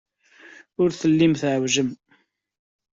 Ur tellim twejdem.